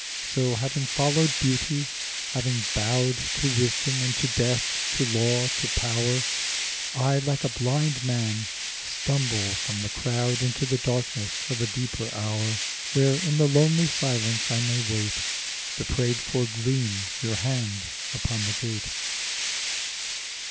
So, having followed beauty, having bowed To wisdom and to death, to law, to power, I like a blind man stumble from the crowd Into the darkness of a deeper hour, Where in the lonely silence I may wait The prayed for gleam your hand upon the gate.